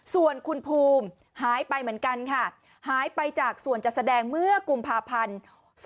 ส่วนคุณภูมิหายไปเหมือนกันค่ะหายไปจากส่วนจัดแสดงเมื่อกุมภาพันธ์๒๕๖